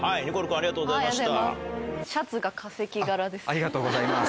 ありがとうございます。